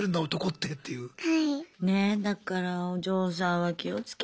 はい。